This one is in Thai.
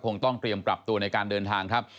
คงต้องเตรียมปรับตัวในการเดินทางครับ